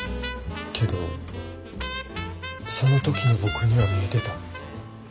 けどその時の僕には見えてた。